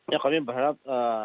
ya kami berharap